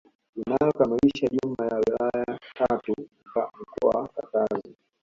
Inayokamilisha jumla ya wilaya tatu za mkoa wa Katavi